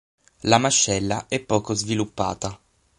La mascella è poco sviluppata.